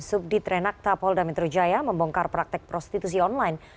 subdit renak tapolda metro jaya membongkar praktek prostitusi online